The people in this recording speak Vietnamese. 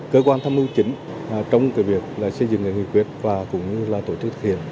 cơ quan tham mưu chính trong việc xây dựng nghị quyết và cũng như là tổ chức thực hiện